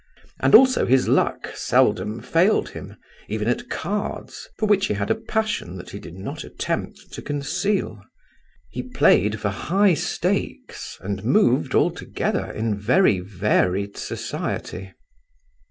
And also, his luck seldom failed him, even at cards, for which he had a passion that he did not attempt to conceal. He played for high stakes, and moved, altogether, in very varied society.